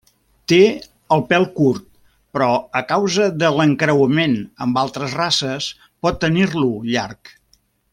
Té el pèl curt, però a causa de l'encreuament amb altres races pot tenir-lo llarg.